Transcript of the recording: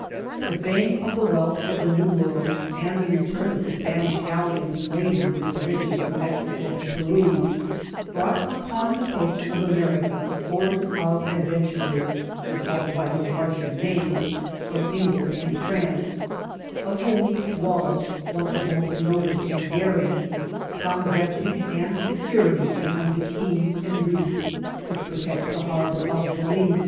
The fame of the wealth of the New World, and the return of the Spanish galleons laden with the riches of Mexico and Peru, brought upon the coast of America hordes of adventurers — ^to call them by no harsher name^ firom England and France^ of whom Wallace, one of the most noted and daring, found refuge and security behind the keys and reefs OSIOIK OF BA.LIZX. 15 which protect the harbour of Balise.